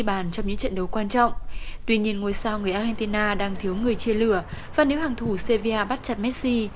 barcelona đang thiếu người chia lửa và nếu hàng thủ sevilla bắt chặt messi